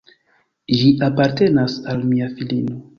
Ĝi apartenas al mia filino.